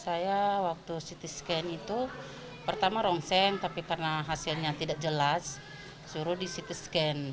saya waktu ct scan itu pertama rongseng tapi karena hasilnya tidak jelas suruh di ct scan